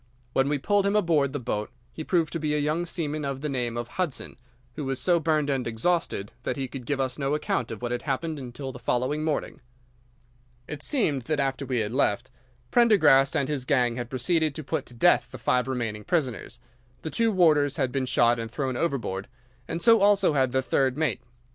When we pulled him aboard the boat he proved to be a young seaman of the name of Hudson, who was so burned and exhausted that he could give us no account of what had happened until the following morning. "'It seemed that after we had left, Prendergast and his gang had proceeded to put to death the five remaining prisoners. The two warders had been shot and thrown overboard, and so also had the third mate.